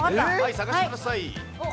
探してください。